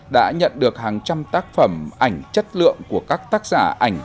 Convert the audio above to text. đã nhận được hàng trăm tác phẩm ảnh chất lượng của các tác giả ảnh